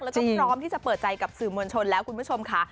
แล้วก็พร้อมที่จะเปิดใจกับสื่อมวลชนแล้วคุณผู้ชมค่ะ